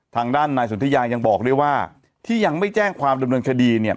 ทางด้านนายสนทิยายังบอกด้วยว่าที่ยังไม่แจ้งความดำเนินคดีเนี่ย